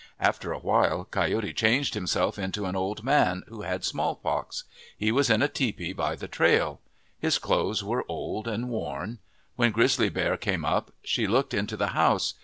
After a while Coyote changed himself into an old man who had smallpox. He was in a tepee by the trail. His clothes were old and worn. When Griz zly Bear came up, she looked into the house.